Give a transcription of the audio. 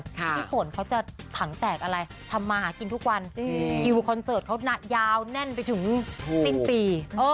พี่ฝนเขาจะถังแตกอะไรทำมาหากินทุกวันคิวคอนเสิร์ตเขายาวแน่นไปถึงสิ้นปี